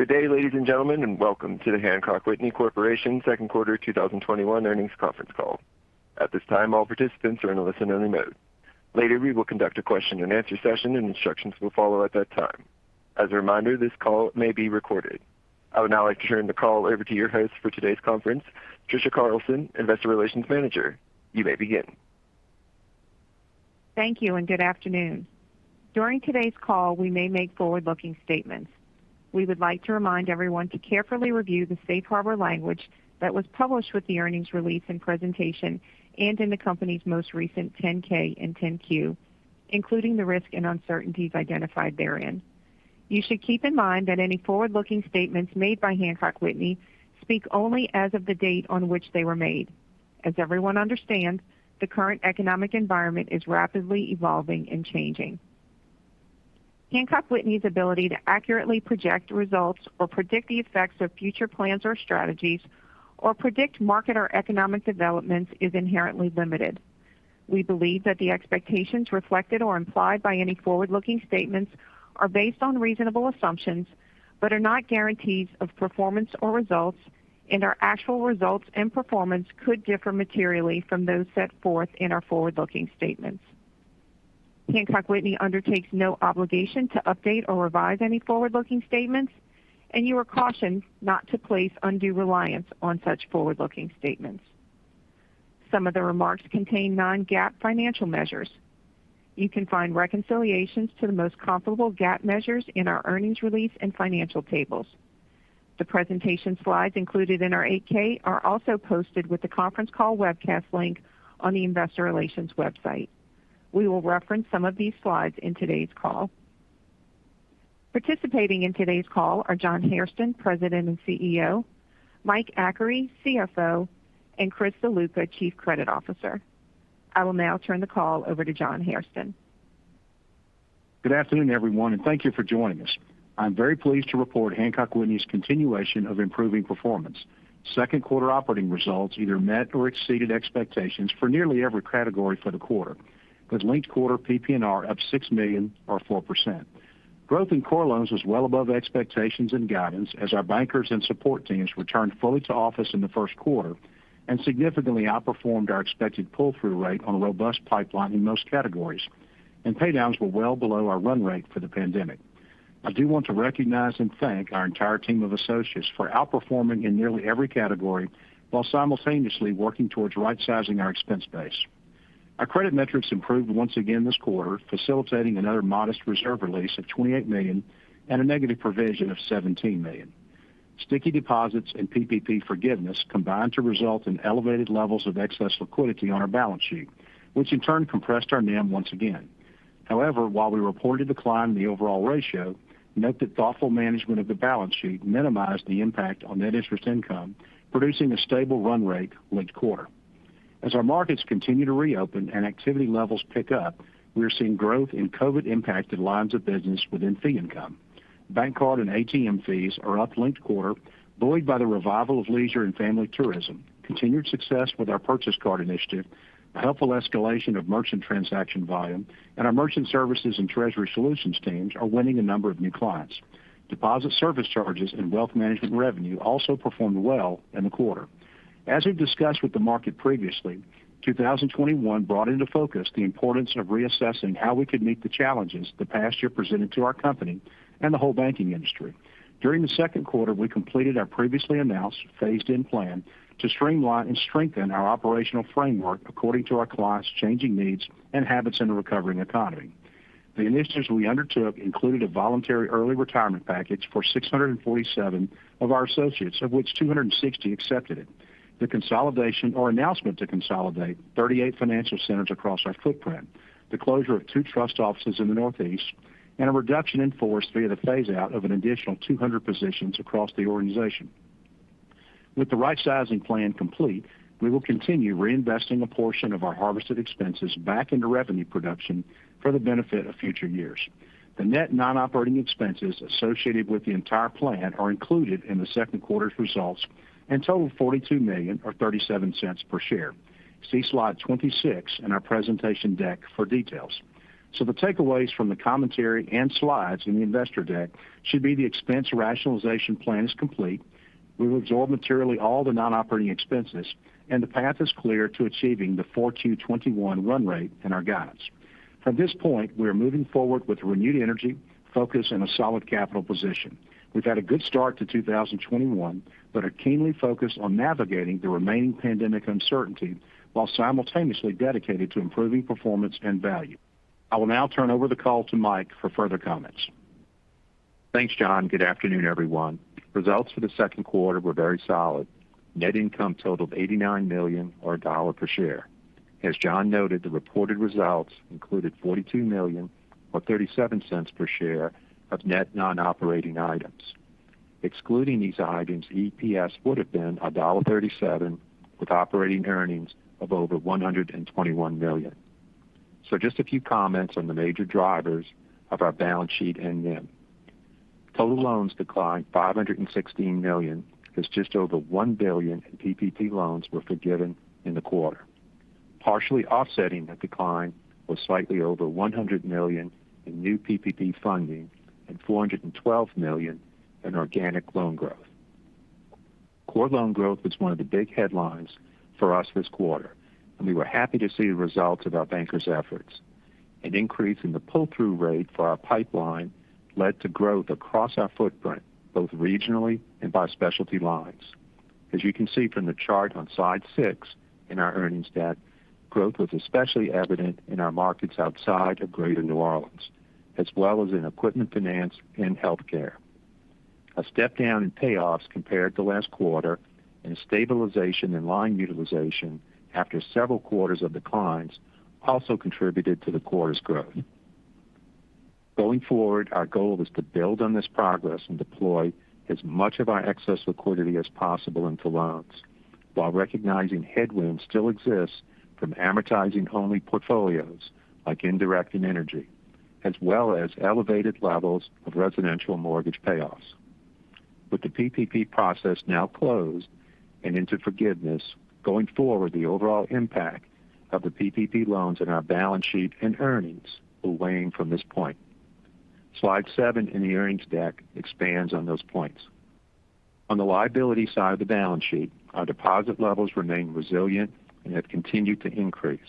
Good day, ladies and gentlemen, and welcome to the Hancock Whitney Corporation second quarter 2021 earnings conference call. At this time, all participants are in a listen-only mode. Later, we will conduct a question and answer session and instructions will follow at that time. As a reminder, this call may be recorded. I would now like to turn the call over to your host for today's conference, Trisha Carlson, Investor Relations Manager. You may begin. Thank you and good afternoon. During today's call, we may make forward-looking statements. We would like to remind everyone to carefully review the safe harbor language that was published with the earnings release and presentation and in the company's most recent 10-K and 10-Q, including the risk and uncertainties identified therein. You should keep in mind that any forward-looking statements made by Hancock Whitney speak only as of the date on which they were made. As everyone understands, the current economic environment is rapidly evolving and changing. Hancock Whitney's ability to accurately project results or predict the effects of future plans or strategies or predict market or economic developments is inherently limited. We believe that the expectations reflected or implied by any forward-looking statements are based on reasonable assumptions but are not guarantees of performance or results and our actual results and performance could differ materially from those set forth in our forward-looking statements. Hancock Whitney undertakes no obligation to update or revise any forward-looking statements, and you are cautioned not to place undue reliance on such forward-looking statements. Some of the remarks contain non-GAAP financial measures. You can find reconciliations to the most comparable GAAP measures in our earnings release and financial tables. The presentation slides included in our 8-K are also posted with the conference call webcast link on the investor relations website. We will reference some of these slides in today's call. Participating in today's call are John Hairston, President and CEO, Mike Achary, CFO, and Chris Ziluca, Chief Credit Officer. I will now turn the call over to John Hairston. Good afternoon, everyone, and thank you for joining us. I'm very pleased to report Hancock Whitney's continuation of improving performance. Second quarter operating results either met or exceeded expectations for nearly every category for the quarter, with linked quarter PPNR up $6 million or 4%. Growth in core loans was well above expectations and guidance as our bankers and support teams returned fully to office in the first quarter and significantly outperformed our expected pull-through rate on a robust pipeline in most categories, and paydowns were well below our run rate for the pandemic. I do want to recognize and thank our entire team of associates for outperforming in nearly every category while simultaneously working towards right-sizing our expense base. Our credit metrics improved once again this quarter, facilitating another modest reserve release of $28 million and a negative provision of $17 million. Sticky deposits and PPP forgiveness combined to result in elevated levels of excess liquidity on our balance sheet, which in turn compressed our NIM once again. However, while we reported a decline in the overall ratio, note that thoughtful management of the balance sheet minimized the impact on net interest income, producing a stable run rate linked quarter. As our markets continue to reopen and activity levels pick up, we are seeing growth in COVID impacted lines of business within fee income. Bank card and ATM fees are up linked quarter, buoyed by the revival of leisure and family tourism, continued success with our purchase card initiative, a helpful escalation of merchant transaction volume, and our merchant services and treasury solutions teams are winning a number of new clients. Deposit service charges and wealth management revenue also performed well in the quarter. As we've discussed with the market previously, 2021 brought into focus the importance of reassessing how we could meet the challenges the past year presented to our company and the whole banking industry. During the second quarter, we completed our previously announced phased-in plan to streamline and strengthen our operational framework according to our clients' changing needs and habits in a recovering economy. The initiatives we undertook included a voluntary early retirement package for 647 of our associates, of which 260 accepted it. The consolidation or announcement to consolidate 38 financial centers across our footprint, the closure of two trust offices in the Northeast, and a reduction in force via the phase-out of an additional 200 positions across the organization. With the right-sizing plan complete, we will continue reinvesting a portion of our harvested expenses back into revenue production for the benefit of future years. The net non-operating expenses associated with the entire plan are included in the second quarter's results and total $42 million or $0.37 per share. See slide 26 in our presentation deck for details. The takeaways from the commentary and slides in the investor deck should be the expense rationalization plan is complete. We've absorbed materially all the non-operating expenses, and the path is clear to achieving the 4Q21 run rate and our guidance. From this point, we are moving forward with renewed energy, focus, and a solid capital position. We've had a good start to 2021, but are keenly focused on navigating the remaining pandemic uncertainty while simultaneously dedicated to improving performance and value. I will now turn over the call to Mike for further comments. Thanks, John. Good afternoon, everyone. Results for the second quarter were very solid. Net income totaled $89 million or $1 per share. As John noted, the reported results included $42 million or $0.37 per share of net non-operating items. Excluding these items, EPS would have been $1.37 with operating earnings of over $121 million. Just a few comments on the major drivers of our balance sheet and NIM. Total loans declined $516 million as just over 1 billion in PPP loans were forgiven in the quarter. Partially offsetting that decline was slightly over $100 million in new PPP funding and $412 million in organic loan growth. Core loan growth was one of the big headlines for us this quarter, and we were happy to see the results of our bankers' efforts. An increase in the pull-through rate for our pipeline led to growth across our footprint, both regionally and by specialty lines. As you can see from the chart on slide six in our earnings deck, growth was especially evident in our markets outside of Greater New Orleans, as well as in equipment finance and healthcare. A step down in payoffs compared to last quarter and stabilization in line utilization after several quarters of declines also contributed to the quarter's growth. Going forward, our goal is to build on this progress and deploy as much of our excess liquidity as possible into loans, while recognizing headwinds still exist from amortizing-only portfolios like indirect and energy, as well as elevated levels of residential mortgage payoffs. With the PPP process now closed and into forgiveness, going forward, the overall impact of the PPP loans in our balance sheet and earnings will wane from this point. Slide seven in the earnings deck expands on those points. On the liability side of the balance sheet, our deposit levels remain resilient and have continued to increase.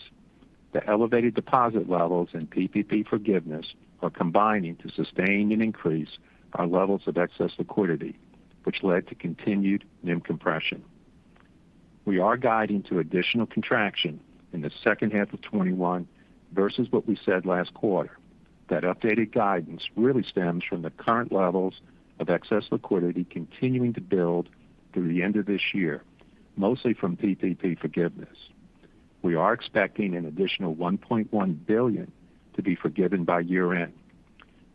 The elevated deposit levels and PPP forgiveness are combining to sustain and increase our levels of excess liquidity, which led to continued NIM compression. We are guiding to additional contraction in the second half of 2021 versus what we said last quarter. That updated guidance really stems from the current levels of excess liquidity continuing to build through the end of this year, mostly from PPP forgiveness. We are expecting an additional $1.1 billion to be forgiven by year-end,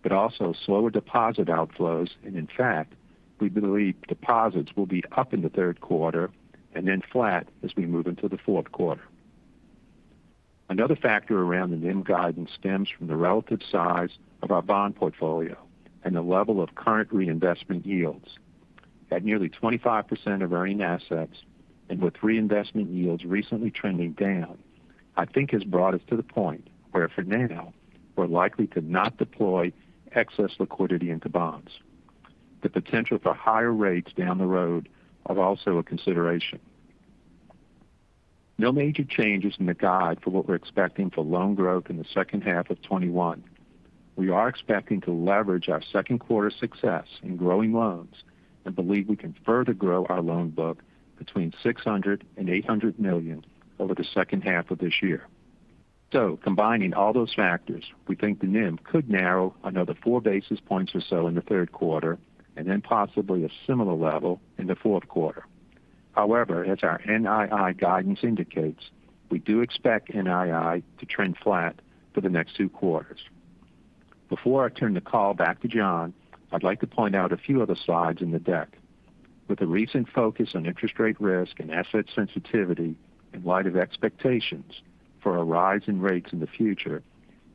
but also slower deposit outflows, and in fact, we believe deposits will be up in the third quarter and then flat as we move into the fourth quarter. Another factor around the NIM guidance stems from the relative size of our bond portfolio and the level of current reinvestment yields. At nearly 25% of earning assets, and with reinvestment yields recently trending down, I think has brought us to the point where for now, we're likely to not deploy excess liquidity into bonds. The potential for higher rates down the road are also a consideration. No major changes in the guide for what we're expecting for loan growth in the second half of 2021. We are expecting to leverage our second quarter success in growing loans and believe we can further grow our loan book between $600 million-$800 million over the second half of this year. Combining all those factors, we think the NIM could narrow another 4 basis points or so in the third quarter, and then possibly a similar level in the fourth quarter. However, as our NII guidance indicates, we do expect NII to trend flat for the next two quarters. Before I turn the call back to John, I'd like to point out a few other slides in the deck. With the recent focus on interest rate risk and asset sensitivity in light of expectations for a rise in rates in the future,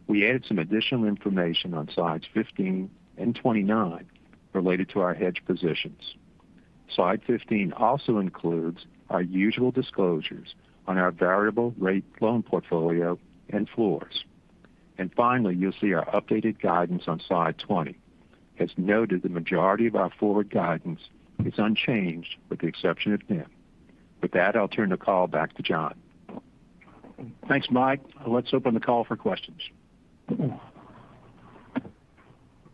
we added some additional information on slides 15 and 29 related to our hedge positions. Slide 15 also includes our usual disclosures on our variable rate loan portfolio and floors. Finally, you'll see our updated guidance on slide 20. As noted, the majority of our forward guidance is unchanged with the exception of NIM. With that, I'll turn the call back to John. Thanks, Mike. Let's open the call for questions.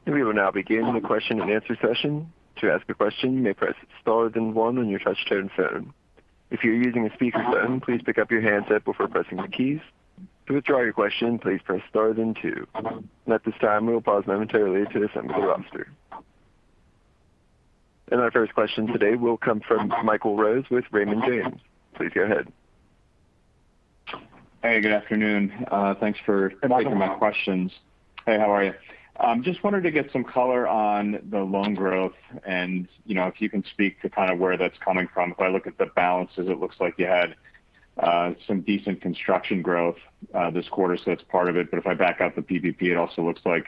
We will now begin the question and answer session. To ask a question, you may press star then one on your touchtone phone. If you're using a speakerphone, please pick up your handset before pressing the keys. To withdraw your question, please press star then two. At this time, we will pause momentarily to assemble the roster. Our first question today will come from Michael Rose with Raymond James. Please go ahead. Hey, good afternoon. Hey, Michael. Thanks for taking my questions. Hey, how are you? Just wanted to get some color on the loan growth and if you can speak to where that's coming from. If I look at the balances, it looks like you had some decent construction growth this quarter, so that's part of it. If I back out the PPP, it also looks like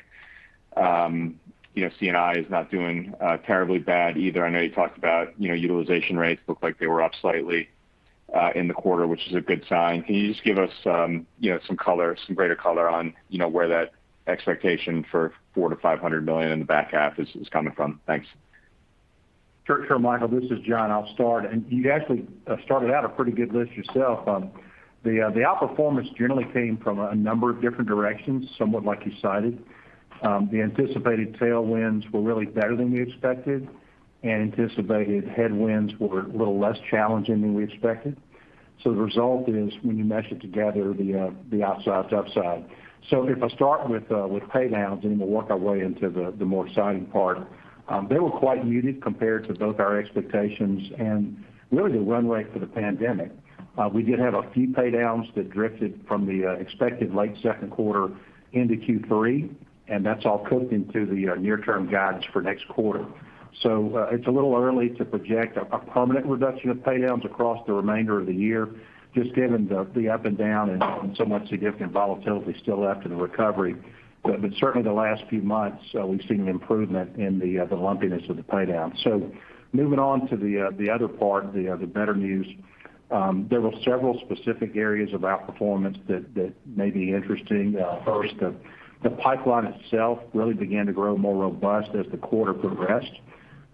C&I is not doing terribly bad either. I know you talked about utilization rates looked like they were up slightly in the quarter, which is a good sign. Can you just give us some greater color on where that expectation for $400 million-$500 million in the back half is coming from? Thanks. Sure, Michael, this is John. I'll start. You actually started out a pretty good list yourself. The outperformance generally came from a number of different directions, somewhat like you cited. The anticipated tailwinds were really better than we expected, and anticipated headwinds were a little less challenging than we expected. The result is, when you mesh it together, the outside to upside. If I start with paydowns, and we'll work our way into the more exciting part. They were quite muted compared to both our expectations and really the runway for the pandemic. We did have a few paydowns that drifted from the expected late second quarter into Q3, and that's all cooked into the near-term guidance for next quarter. It's a little early to project a permanent reduction of pay-downs across the remainder of the year, just given the up and down and so much significant volatility still left in the recovery. But certainly the last few months, we've seen an improvement in the lumpiness of the pay-down. Moving on to the other part, the better news. There were several specific areas of outperformance that may be interesting. First, the pipeline itself really began to grow more robust as the quarter progressed.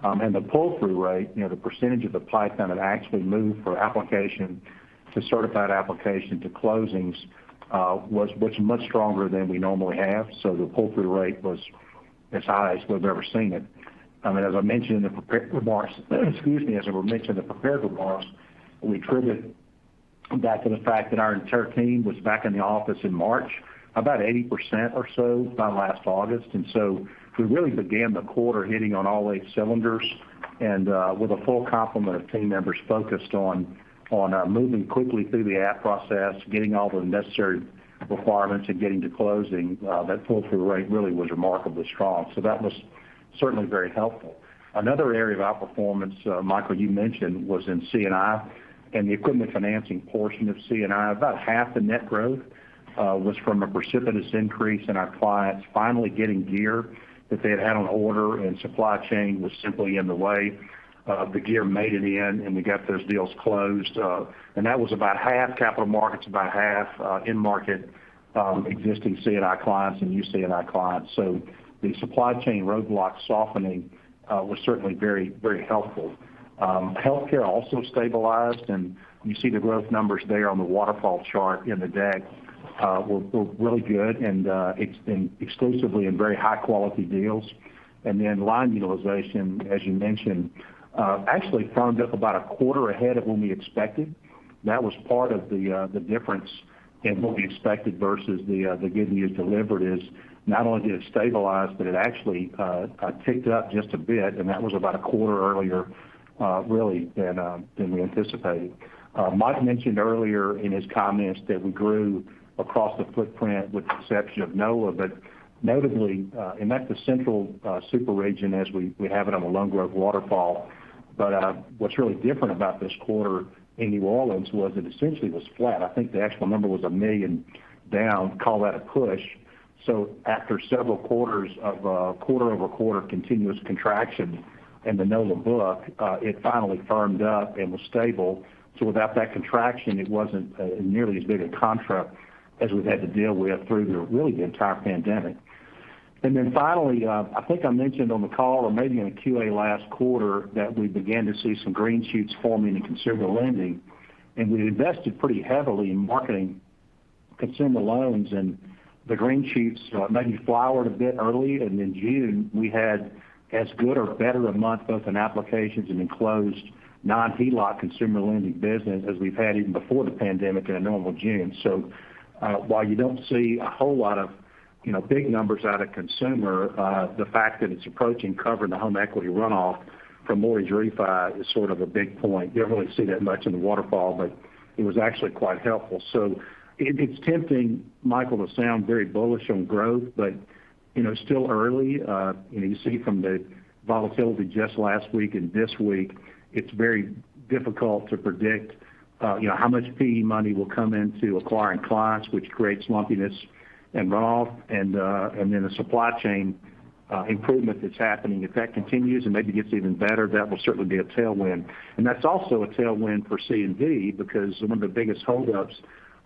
The pull-through rate, the percentage of the pipeline that actually moved from application to certified application to closings was much stronger than we normally have. The pull-through rate was as high as we've ever seen it. As I mentioned in the prepared remarks, we attribute that to the fact that our entire team was back in the office in March, about 80% or so by last August. We really began the quarter hitting on all eight cylinders and with a full complement of team members focused on moving quickly through the app process, getting all the necessary requirements, and getting to closing. That pull-through rate really was remarkably strong. That was certainly very helpful. Another area of outperformance, Michael, you mentioned, was in C&I and the equipment financing portion of C&I. About half the net growth was from a precipitous increase in our clients finally getting gear that they had had on order, and supply chain was simply in the way. The gear made it in, and we got those deals closed. That was about half capital markets, about half in-market, existing C&I clients and new C&I clients. The supply chain roadblock softening was certainly very helpful. Healthcare also stabilized, and you see the growth numbers there on the waterfall chart in the deck were really good and exclusively in very high-quality deals. Then line utilization, as you mentioned, actually firmed up about a quarter ahead of when we expected. That was part of the difference in what we expected versus the give and give delivered is not only did it stabilize, but it actually ticked up just a bit, and that was about a quarter earlier really than we anticipated. Mike mentioned earlier in his comments that we grew across the footprint with the exception of NOLA. Notably, and that's the central super region as we have it on the loan growth waterfall. What's really different about this quarter in New Orleans was it essentially was flat. I think the actual number was $1 million down. Call that a push. After several quarters of quarter-over-quarter continuous contraction in the NOLA book, it finally firmed up and was stable. Without that contraction, it wasn't nearly as big a contra as we've had to deal with through the, really, the entire pandemic. Finally, I think I mentioned on the call or maybe in the QA last quarter that we began to see some green shoots forming in consumer lending, and we invested pretty heavily in marketing consumer loans. The green shoots maybe flowered a bit early. In June, we had as good or better a month both in applications and in closed non-HELOC consumer lending business as we've had even before the pandemic in a normal June. While you don't see a whole lot of big numbers out of consumer, the fact that it's approaching covering the home equity runoff from mortgage refi is sort of a big point. You don't really see that much in the waterfall, but it was actually quite helpful. It's tempting, Michael, to sound very bullish on growth, but it's still early. You see from the volatility just last week and this week, it's very difficult to predict how much PE money will come into acquiring clients, which creates lumpiness and runoff, and then a supply chain improvement that's happening. If that continues and maybe gets even better, that will certainly be a tailwind. That's also a tailwind for C&D because one of the biggest holdups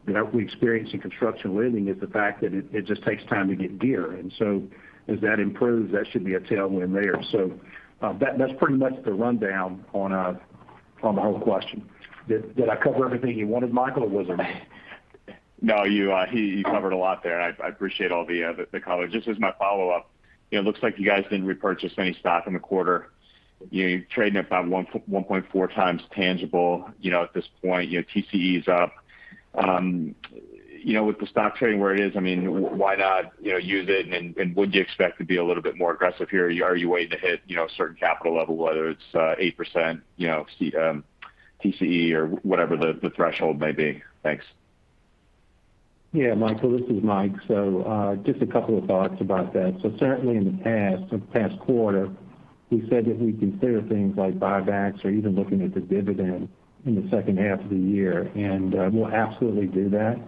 that we experience in construction lending is the fact that it just takes time to get gear. As that improves, that should be a tailwind there. That's pretty much the rundown on the whole question. Did I cover everything you wanted, Michael, or was there more? You covered a lot there, and I appreciate all the color. Just as my follow-up, it looks like you guys didn't repurchase any stock in the quarter. You're trading at about 1.4x tangible at this point. TCE is up. With the stock trading where it is, why not use it? Would you expect to be a little bit more aggressive here? Are you waiting to hit a certain capital level, whether it's 8% TCE or whatever the threshold may be? Thanks. Yeah, Michael, this is Mike. Just a couple of thoughts about that. Certainly in the past quarter, we said that we'd consider things like buybacks or even looking at the dividend in the second half of the year. We'll absolutely do that.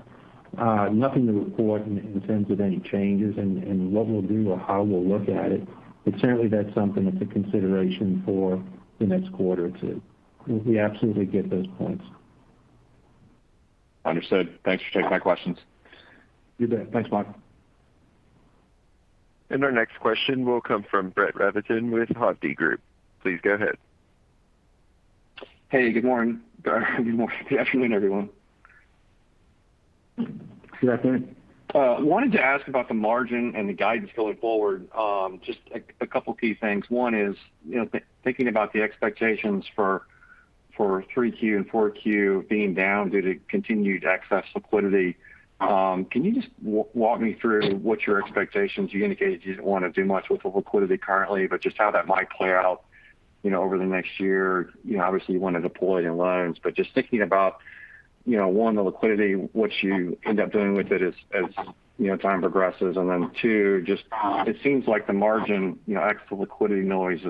Nothing to report in terms of any changes in what we'll do or how we'll look at it. Certainly, that's something that's a consideration for the next quarter or two. We absolutely get those points. Understood. Thanks for taking my questions. You bet. Thanks, Michael. Our next question will come from Brett Rabatin with Hovde Group. Please go ahead. Hey, good morning. Good afternoon, everyone. Good afternoon. Wanted to ask about the margin and the guidance going forward. Just a couple key things. One is, thinking about the expectations for 3Q and 4Q being down due to continued excess liquidity, can you just walk me through what your expectations? You indicated you didn't want to do much with the liquidity currently, just how that might play out over the next year. Obviously, you want to deploy in loans, just thinking about one, the liquidity, what you end up doing with it as time progresses, and then one, just it seems like the margin, ex the liquidity noise,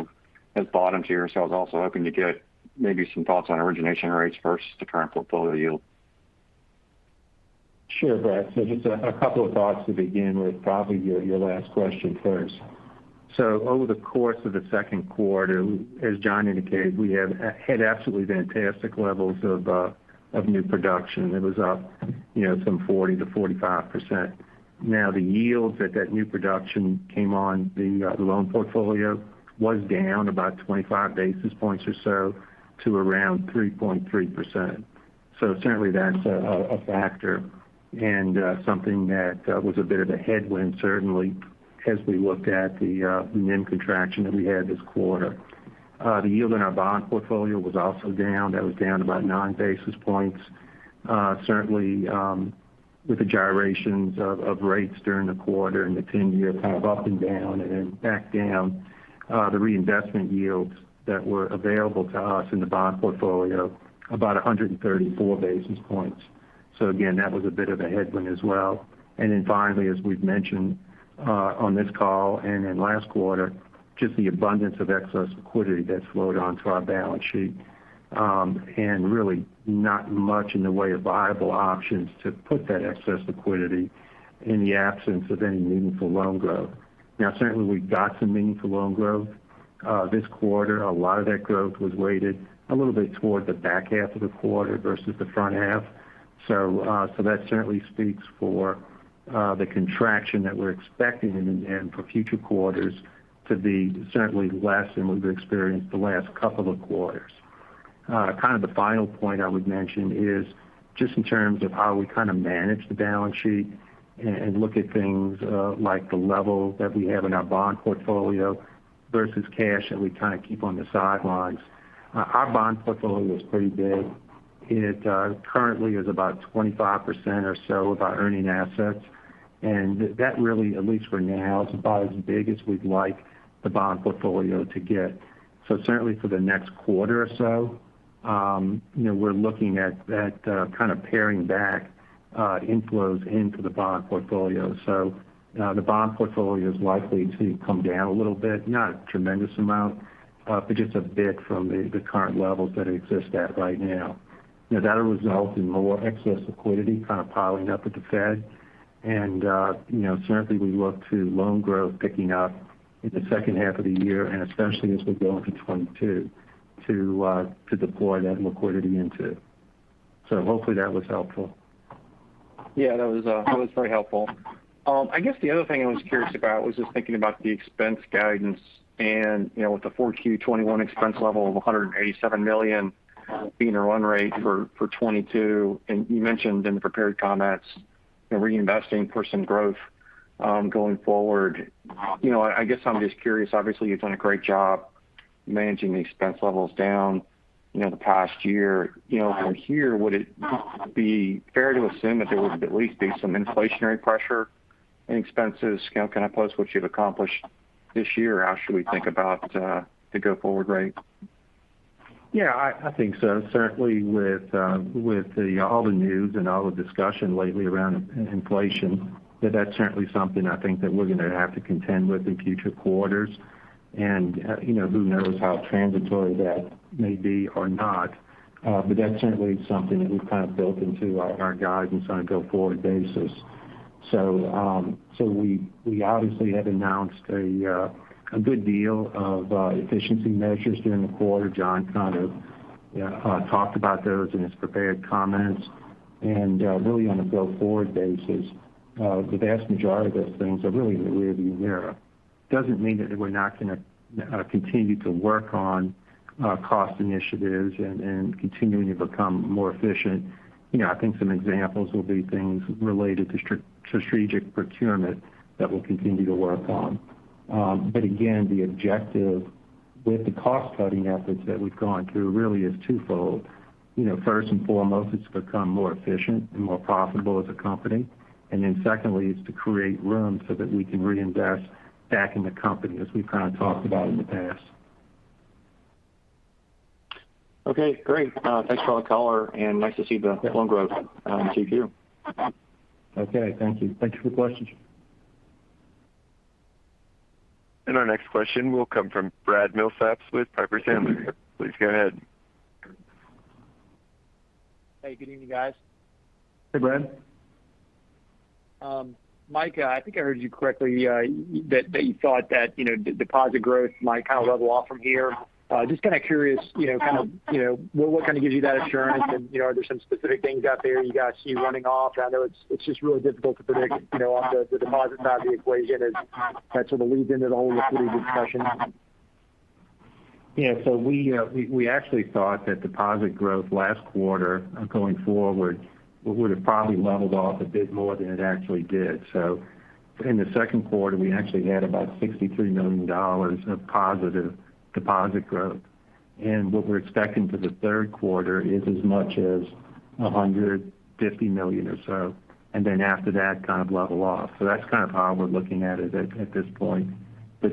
has bottomed here. I was also hoping to get maybe some thoughts on origination rates versus the current portfolio yield. Sure, Brad. Just a couple of thoughts to begin with, probably your last question first. Over the course of the second quarter, as John indicated, we have had absolutely fantastic levels of new production. It was up some 40%-45%. The yields that new production came on the loan portfolio was down about 25 basis points or so to around 3.3%. Certainly that's a factor and something that was a bit of a headwind, certainly, as we looked at the NIM contraction that we had this quarter. The yield in our bond portfolio was also down. That was down about 9 basis points. Certainly, with the gyrations of rates during the quarter and the 10-year kind of up and down and then back down, the reinvestment yields that were available to us in the bond portfolio, about 134 basis points. Again, that was a bit of a headwind as well. Then finally, as we've mentioned on this call and in last quarter, just the abundance of excess liquidity that's flowed onto our balance sheet, and really not much in the way of viable options to put that excess liquidity in the absence of any meaningful loan growth. Certainly we've got some meaningful loan growth this quarter. A lot of that growth was weighted a little bit toward the back half of the quarter versus the front half. That certainly speaks for the contraction that we're expecting and for future quarters to be certainly less than we've experienced the last couple of quarters. Kind of the final point I would mention is just in terms of how we kind of manage the balance sheet and look at things like the level that we have in our bond portfolio versus cash that we kind of keep on the sidelines. Our bond portfolio is pretty big. It currently is about 25% or so of our earning assets, and that really, at least for now, is about as big as we'd like the bond portfolio to get. Certainly for the next quarter or so, we're looking at that kind of paring back inflows into the bond portfolio. The bond portfolio is likely to come down a little bit, not a tremendous amount, but just a bit from the current levels that it exists at right now. That'll result in more excess liquidity kind of piling up at the Fed, certainly we look to loan growth picking up in the second half of the year, especially as we go into 2022 to deploy that liquidity into. Hopefully that was helpful. Yeah, that was very helpful. I guess the other thing I was curious about was just thinking about the expense guidance with the 4Q21 expense level of $187 million being a run rate for 2022. You mentioned in the prepared comments reinvesting for some growth going forward. I guess I'm just curious, obviously, you've done a great job managing the expense levels down the past year. From here, would it be fair to assume that there would at least be some inflationary pressure in expenses? Kind of plus what you've accomplished this year, how should we think about the go-forward rate? Yeah, I think so. Certainly with all the news and all the discussion lately around inflation, that's certainly something I think that we're going to have to contend with in future quarters. Who knows how transitory that may be or not. That's certainly something that we've kind of built into our guidance on a go-forward basis. We obviously have announced a good deal of efficiency measures during the quarter. John kind of talked about those in his prepared comments. Really on a go-forward basis, the vast majority of those things are really in the rear view mirror. Doesn't mean that we're not going to continue to work on cost initiatives and continuing to become more efficient. I think some examples will be things related to strategic procurement that we'll continue to work on. Again, the objective with the cost-cutting efforts that we've gone through really is twofold. First and foremost, it's become more efficient and more profitable as a company. Secondly is to create room so that we can reinvest back in the company as we've kind of talked about in the past. Okay, great. Thanks for the call, and nice to see the loan growth Q2. Okay. Thank you. Thanks for the question. Our next question will come from Brad Milsaps with Piper Sandler. Please go ahead. Hey, good evening, guys. Hey, Brad. Mike, I think I heard you correctly that you thought that deposit growth might kind of level off from here. Just kind of curious, what kind of gives you that assurance, and are there some specific things out there you guys see running off? I know it's just really difficult to predict off the deposit side of the equation as that sort of leads into the whole liquidity discussion. Yeah. We actually thought that deposit growth last quarter going forward would've probably leveled off a bit more than it actually did. In the second quarter, we actually had about $63 million of positive deposit growth, and what we're expecting for the third quarter is as much as $150 million or so, and then after that kind of level off. That's kind of how we're looking at it at this point.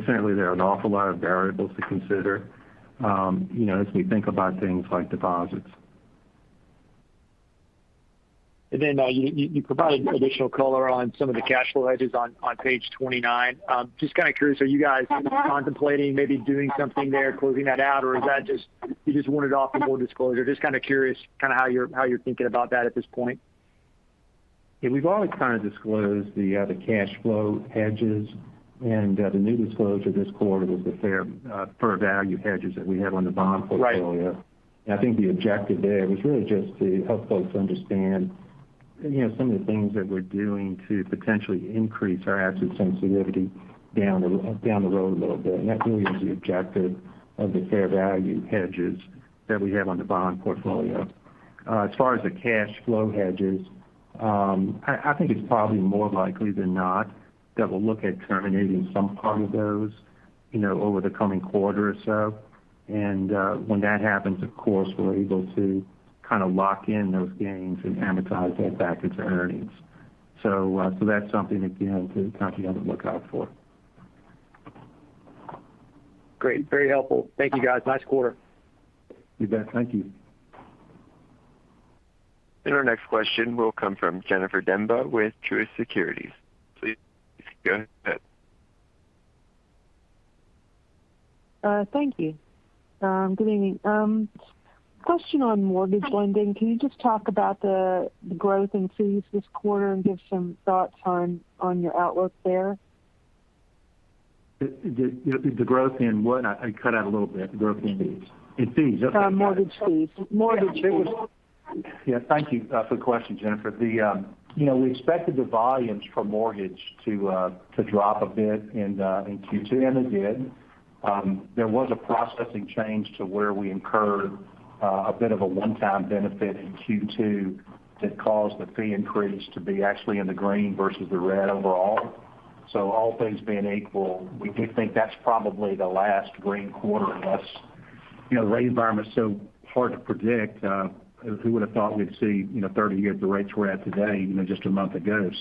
Certainly there are an awful lot of variables to consider. As we think about things like deposits. Then you provided additional color on some of the cash flow hedges on page 29. Just kind of curious, are you guys contemplating maybe doing something there, closing that out, or is that just you just want it off the board disclosure? Just kind of curious kind of how you're thinking about that at this point. Yeah. We've always kind of disclosed the cash flow hedges and the new disclosure this quarter was the fair value hedges that we have on the bond portfolio. Right. I think the objective there was really just to help folks understand some of the things that we're doing to potentially increase our asset sensitivity down the road a little bit. That really is the objective of the fair value hedges that we have on the bond portfolio. As far as the cash flow hedges, I think it's probably more likely than not that we'll look at terminating some part of those over the coming quarter or so. When that happens, of course, we're able to kind of lock in those gains and amortize that back into earnings. That's something to kind of be on the lookout for. Great. Very helpful. Thank you, guys. Nice quarter. You bet. Thank you. Our next question will come from Jennifer Demba with Truist Securities. Please go ahead. Thank you. Good evening. Question on mortgage lending. Can you just talk about the growth in fees this quarter and give some thoughts on your outlook there? The growth in what? I cut out a little bit. Fees. In fees. Okay. Mortgage fees. Yeah, thank you for the question, Jennifer. We expected the volumes for mortgage to drop a bit in Q2, and it did. There was a processing change to where we incurred a bit of a one-time benefit in Q2 that caused the fee increase to be actually in the green versus the red overall. All things being equal, we do think that's probably the last green quarter unless the rate environment's so hard to predict. Who would have thought we'd see 30-year the rates we're at today just a month ago.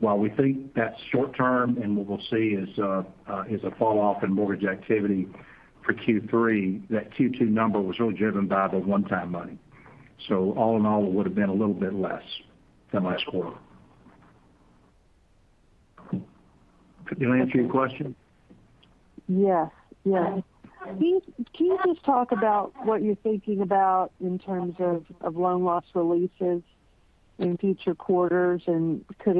While we think that's short-term and what we'll see is a fall off in mortgage activity for Q3, that Q2 number was really driven by the one-time money. All in all, it would have been a little bit less than last quarter. Did I answer your question? Yes. Can you just talk about what you're thinking about in terms of loan loss releases in future quarters? Could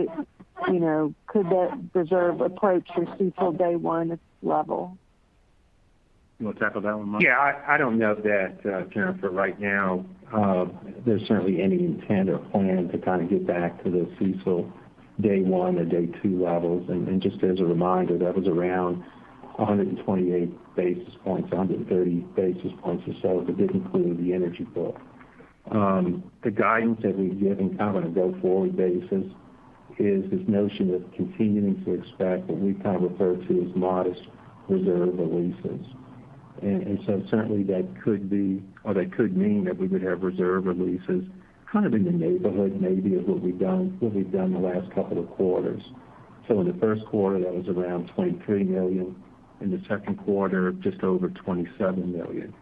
that reserve approach the CECL Day One level? You want to tackle that one, Mike? Yeah. I don't know that, Jennifer, right now there's certainly any intent or plan to kind of get back to the CECL Day One or Day Two levels. Just as a reminder, that was around 128 basis points, 130 basis points or so, but didn't include the energy book. The guidance that we've given kind of on a go-forward basis is this notion of continuing to expect what we've kind of referred to as modest reserve releases. Certainly that could be or that could mean that we would have reserve releases kind of in the neighborhood maybe of what we've done the last couple of quarters. In the first quarter, that was around $23 million. In the second quarter, just over $27 million.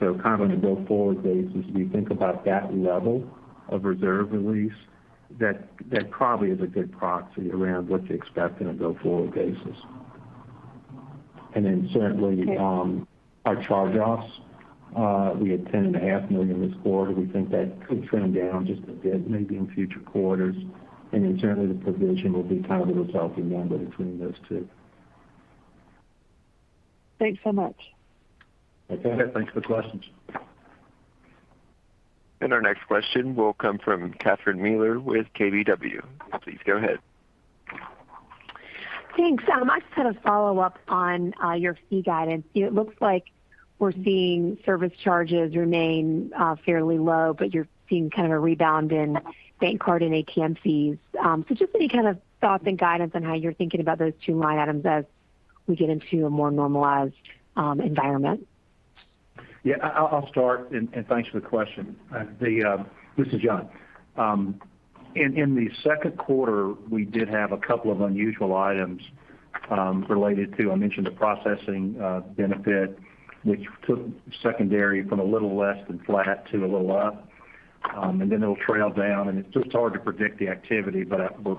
Kind of on a go-forward basis, we think about that level of reserve release. That probably is a good proxy around what to expect on a go-forward basis. Certainly our charge-offs, we had $10.5 million this quarter. We think that could trend down just a bit, maybe in future quarters. Certainly the provision will be kind of the resulting number between those two. Thanks so much. Okay. Thanks for the questions. Our next question will come from Catherine Mealor with KBW. Please go ahead. Thanks. I just had a follow-up on your fee guidance. It looks like we're seeing service charges remain fairly low, but you're seeing kind of a rebound in bank card and ATM fees. Just any kind of thoughts and guidance on how you're thinking about those two line items as we get into a more normalized environment? I'll start. Thanks for the question. This is John. In the second quarter, we did have a couple of unusual items related to, I mentioned the processing benefit, which took secondary from a little less than flat to a little up. It'll trail down. It's just hard to predict the activity. What's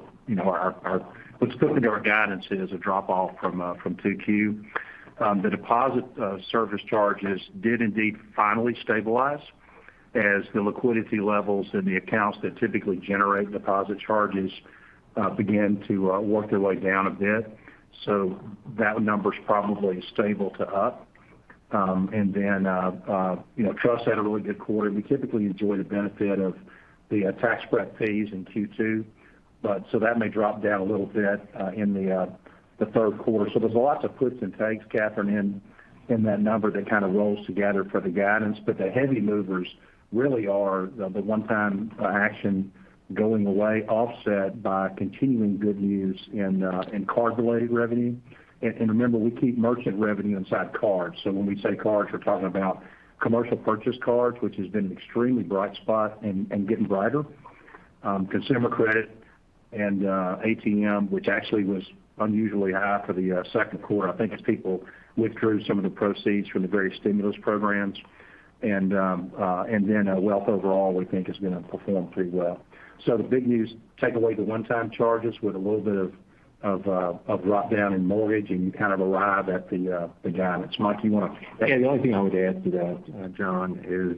good with our guidance is a drop-off from 2Q. The deposit service charges did indeed finally stabilize as the liquidity levels in the accounts that typically generate deposit charges began to work their way down a bit. That number's probably stable to up. Then, Trust had a really good quarter. We typically enjoy the benefit of the tax prep fees in Q2. That may drop down a little bit in the third quarter. There's lots of puts and takes, Catherine, in that number that kind of rolls together for the guidance. The heavy movers really are the one-time action going away offset by continuing good news in card-related revenue. Remember, we keep merchant revenue inside cards. When we say cards, we're talking about commercial purchase cards, which has been an extremely bright spot and getting brighter. Consumer credit and ATM, which actually was unusually high for the second quarter. I think as people withdrew some of the proceeds from the various stimulus programs. Then wealth overall, we think is going to perform pretty well. The big news, take away the one-time charges with a little bit of drop-down in mortgage, and you kind of arrive at the guidance. Mike, you want to. The only thing I would add to that, John, is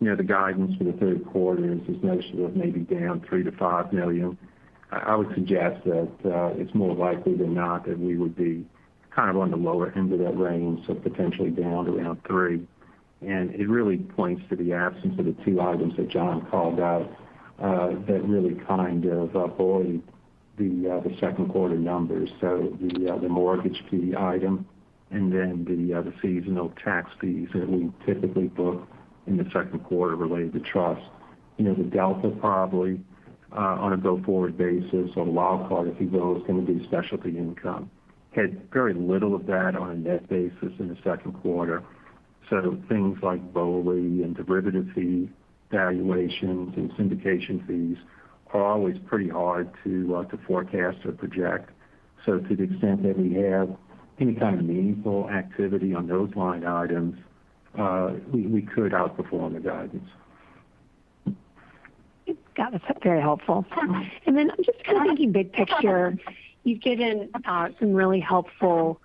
the guidance for the third quarter is this notion of maybe down $3 million-$5 million. I would suggest that it's more likely than not that we would be kind of on the lower end of that range. Potentially down to around $3. It really points to the absence of the two items that John called out that really kind of buoyed the second quarter numbers. The mortgage fee item and then the seasonal tax fees that we typically book in the second quarter related to trust. The delta probably on a go-forward basis on the law part, if you will, is going to be specialty income. Had very little of that on a net basis in the second quarter. Things like BOLI and derivative fee valuations and syndication fees are always pretty hard to forecast or project. To the extent that we have any kind of meaningful activity on those line items, we could outperform the guidance. Got it. That's very helpful. I'm just kind of thinking big picture. You've given some really helpful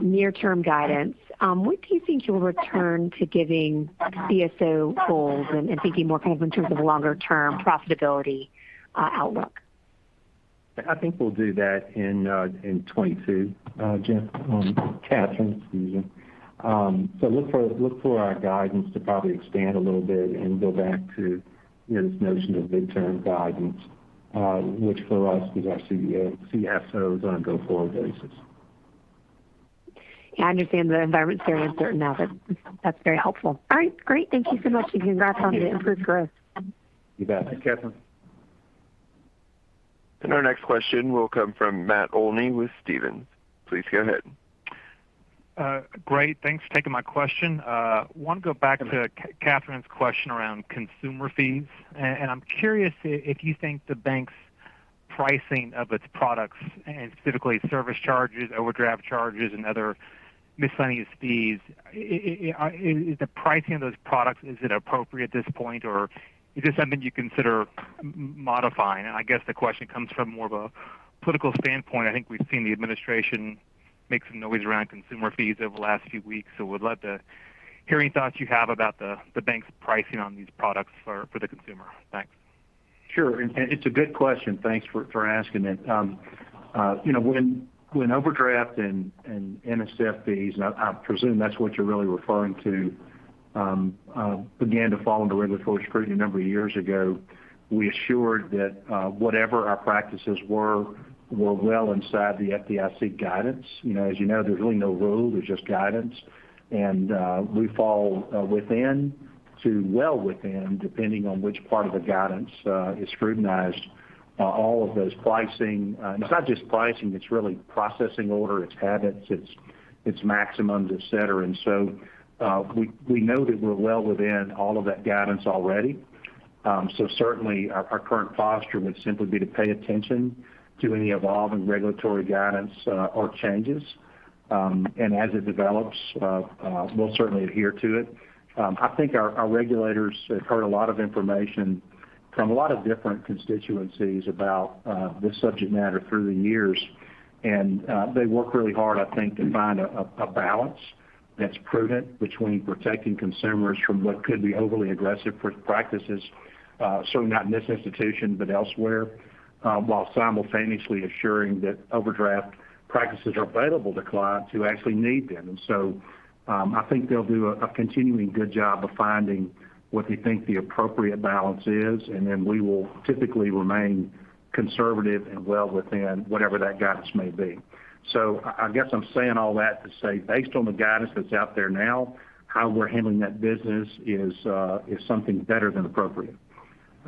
near-term guidance. When do you think you'll return to giving CSO goals and thinking more kind of in terms of longer-term profitability outlook? I think we'll do that in 2022, Jen, Catherine, excuse me. Look for our guidance to probably expand a little bit and go back to this notion of midterm guidance, which for us is actually CSOs on a go-forward basis. I understand the environment's very uncertain now, but that's very helpful. All right, great. Thank you so much, and congrats on the improved growth. You bet. Thanks, Catherine. Our next question will come from Matt Olney with Stephens. Please go ahead. Great. Thanks for taking my question. I want to go back to Catherine's question around consumer fees. I'm curious if you think the bank's pricing of its products, and specifically service charges, overdraft charges, and other miscellaneous fees, the pricing of those products, is it appropriate at this point or is this something you consider modifying? I guess the question comes from more of a political standpoint. I think we've seen the administration make some noise around consumer fees over the last few weeks, so would love to hear any thoughts you have about the bank's pricing on these products for the consumer. Thanks. Sure, it's a good question. Thanks for asking it. When overdraft and NSF fees, and I presume that's what you're really referring to, began to fall under regulatory scrutiny a number of years ago, we assured that whatever our practices were well inside the FDIC guidance. As you know, there's really no rule, there's just guidance. We fall within to well within, depending on which part of the guidance is scrutinized all of those pricing. It's not just pricing, it's really processing order, it's habits, it's maximums, et cetera. We know that we're well within all of that guidance already. Certainly our current posture would simply be to pay attention to any evolving regulatory guidance or changes. As it develops we'll certainly adhere to it. I think our regulators have heard a lot of information from a lot of different constituencies about this subject matter through the years. They work really hard, I think, to find a balance that's prudent between protecting consumers from what could be overly aggressive practices. Certainly not in this institution, but elsewhere while simultaneously assuring that overdraft practices are available to clients who actually need them. I think they'll do a continuing good job of finding what they think the appropriate balance is, we will typically remain conservative and well within whatever that guidance may be. I guess I'm saying all that to say based on the guidance that's out there now, how we're handling that business is something better than appropriate.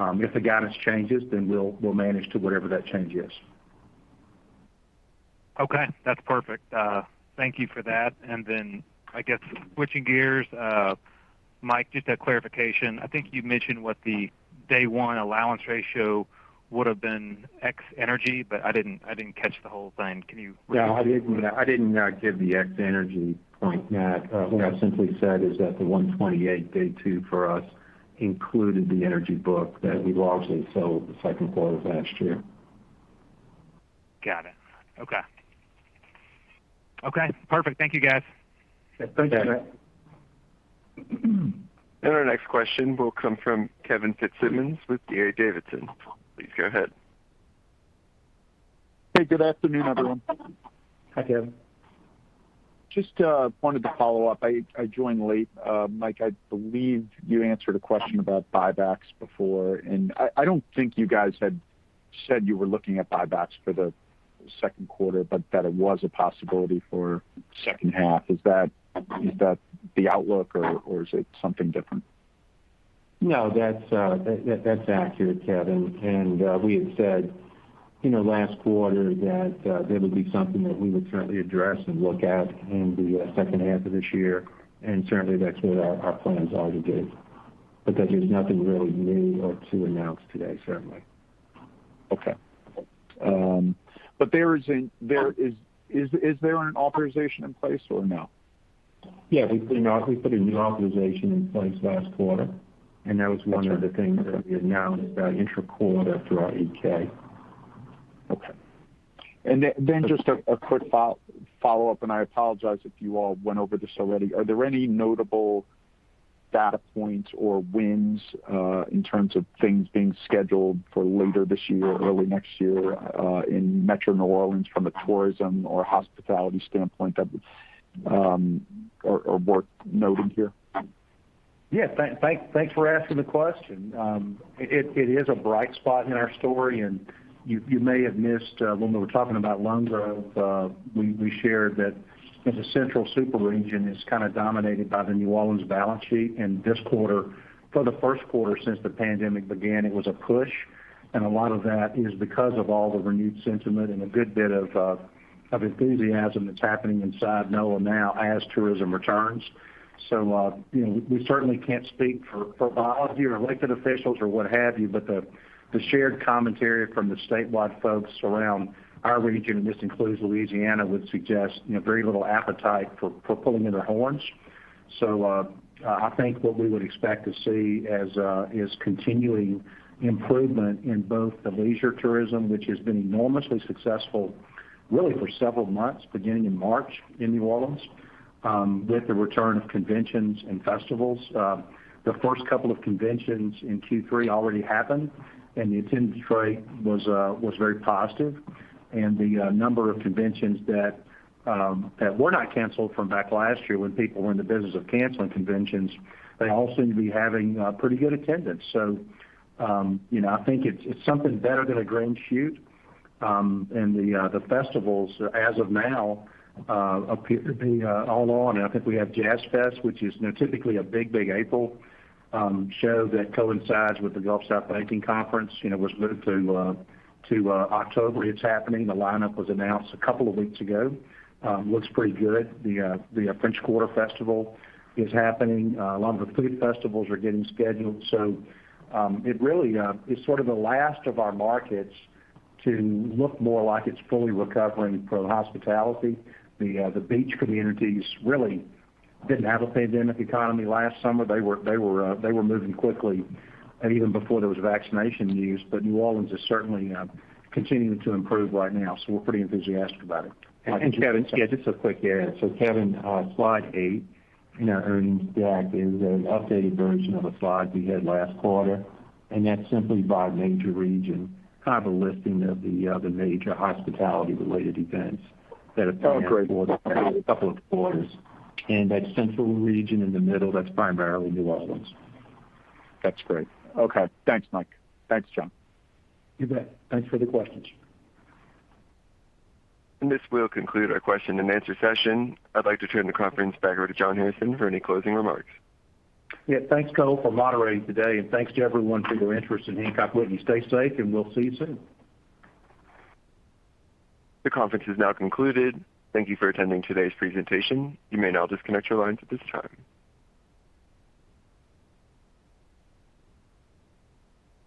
If the guidance changes, we'll manage to whatever that change is. Okay. That's perfect. Thank you for that. I guess switching gears Mike, just a clarification. I think you mentioned what the day one allowance ratio would've been ex Energy, but I didn't catch the whole thing. Can you repeat? Yeah, I didn't give the ex-energy point, Matt. What I simply said is that the 128 day two for us included the energy book that we largely sold the second quarter of last year. Got it. Okay. Okay, perfect. Thank you, guys. Thank you, Matt. You bet. Our next question will come from Kevin Fitzsimmons with D.A. Davidson. Please go ahead. Hey, good afternoon, everyone. Hi, Kevin. Just wanted to follow up. I joined late. Mike, I believe you answered a question about buybacks before. I don't think you guys had said you were looking at buybacks for the second quarter, but that it was a possibility for second half. Is that the outlook, or is it something different? No, that's accurate, Kevin. We had said in the last quarter that would be something that we would certainly address and look at in the second half of this year, and certainly that's what our plans are to do. There's nothing really new or to announce today, certainly. Okay. Is there an authorization in place or no? Yeah. We put a new authorization in place last quarter. Okay. That was one of the things that we announced intra-quarter through our 8-K. Okay. Just a quick follow-up, I apologize if you all went over this already. Are there any notable data points or wins in terms of things being scheduled for later this year or early next year in Metro New Orleans from a tourism or hospitality standpoint that are worth noting here? Thanks for asking the question. It is a bright spot in our story, and you may have missed when we were talking about loan growth, we shared that the central super region is kind of dominated by the New Orleans balance sheet. This quarter, for the first quarter since the pandemic began, it was a push, and a lot of that is because of all the renewed sentiment and a good bit of enthusiasm that's happening inside NOLA now as tourism returns. We certainly can't speak for biology or elected officials or what have you, but the shared commentary from the statewide folks around our region, and this includes Louisiana, would suggest very little appetite for pulling in their horns. I think what we would expect to see is continuing improvement in both the leisure tourism, which has been enormously successful really for several months, beginning in March in New Orleans, with the return of conventions and festivals. The first two conventions in Q3 already happened, the attendance rate was very positive. The number of conventions that were not canceled from back last year when people were in the business of canceling conventions, they all seem to be having pretty good attendance. I think it's something better than a green shoot. The festivals as of now appear to be all on. I think we have Jazz Fest, which is typically a big April show that coincides with the Gulf South Bank Conference, was moved to October. It's happening. The lineup was announced a couple of weeks ago. Looks pretty good. The French Quarter Festival is happening. A lot of the food festivals are getting scheduled. It really is sort of the last of our markets to look more like it's fully recovering from hospitality. The beach communities really didn't have a pandemic economy last summer. They were moving quickly even before there was vaccination news. New Orleans is certainly continuing to improve right now, so we're pretty enthusiastic about it. Kevin, yeah, just a quick add. Kevin, slide eight in our earnings deck is an updated version of a slide we had last quarter, and that's simply by major region, kind of a listing of the major hospitality-related events. Oh, great. been delayed a couple of quarters. That central region in the middle, that's primarily New Orleans. That's great. Okay. Thanks, Mike. Thanks, John. You bet. Thanks for the questions. This will conclude our question-and-answer session. I'd like to turn the conference back over to John Hairston for any closing remarks. Yeah. Thanks, Cole, for moderating today, and thanks to everyone for your interest in Hancock Whitney. Stay safe, and we'll see you soon. The conference is now concluded. Thank you for attending today's presentation. You may now disconnect your lines at this time.